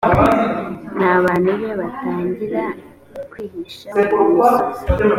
n abantu be batangira kwihisha mu misozi